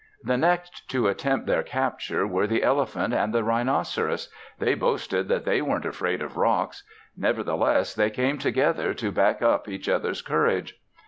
The next to attempt their capture were the elephant and the rhinoceros. They boasted that they weren't afraid of rocks; nevertheless they came together to back up each other's courage.